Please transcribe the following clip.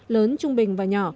lớn trung bình và nhỏ